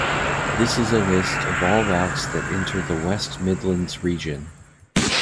This is a list of all routes that enter the West Midlands region.